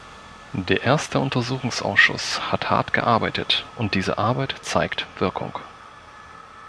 Der erste Untersuchungsausschuss hat hart gearbeitet, und diese Arbeit zeigt Wirkung.